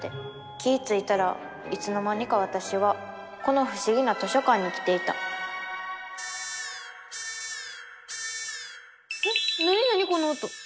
気ついたらいつの間にかわたしはこのふしぎな図書館に来ていたえっ何何この音。